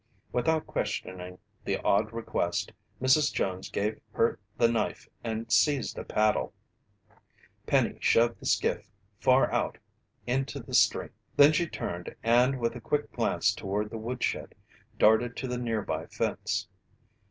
Without questioning the odd request, Mrs. Jones gave her the knife and seized a paddle. Penny shoved the skiff far out into the stream. Then she turned and with a quick glance toward the woodshed, darted to the nearby fence.